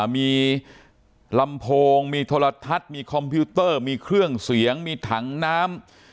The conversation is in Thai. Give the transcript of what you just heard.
มีลำโพงมีโทรทัศน์มีคอมพิวเตอร์มีเครื่องเสียงมีถังน้ำ